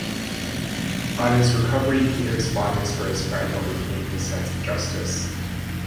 On his recovery Peter's fondness for his friend overcame his sense of justice.